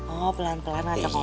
oh pelan pelan aja ngokok